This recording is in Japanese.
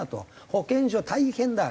保健所は大変だ。